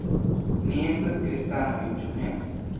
Ni estas kristanoj, ĉu ne?